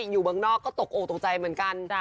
อยู่เมืองนอกก็ตกออกตกใจเหมือนกัน